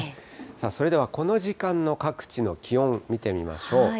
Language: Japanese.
それではこの時間の各地の気温、見てみましょう。